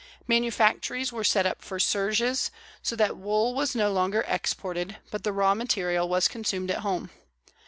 Manufactories were set up for serges, so that wool was no longer exported, but the raw material was consumed at home.